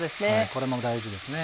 これも大事ですね。